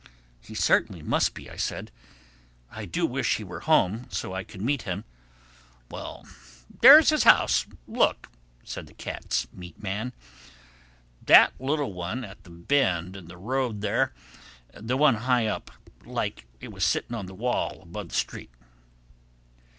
"He certainly must be," I said. "I do wish he were home so I could meet him." "Well, there's his house, look," said the cat's meat man—"that little one at the bend in the road there—the one high up—like it was sitting on the wall above the street."